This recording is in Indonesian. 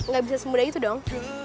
gak bisa semudah itu dong